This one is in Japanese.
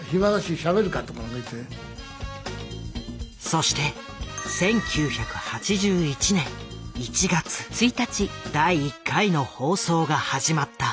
そして１９８１年１月第１回の放送が始まった。